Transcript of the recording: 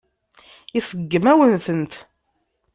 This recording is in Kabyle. Iseggem-awen-tent.